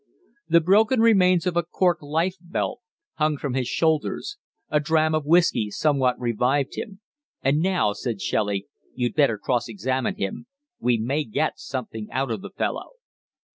The broken remains of a cork life belt hung from his shoulders. A dram of whisky somewhat revived him. 'And now,' said Shelley, 'you'd better cross examine him. We may get something out of the fellow.'